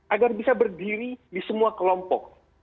agar bisa berdiri di semua kelompok